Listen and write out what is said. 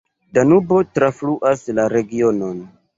Danubo trafluas la regionon.